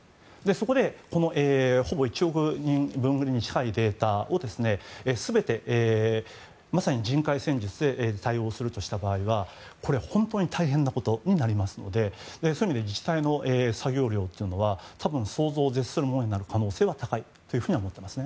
そこでほぼ１億人近いデータを全て、まさに人海戦術で対応するとした場合はこれ、本当に大変なことになりますのでそういう意味で自治体の作業量というのは多分、想像を絶するものになる可能性は高いと思っています。